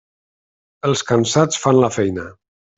Els cansats fan la feina.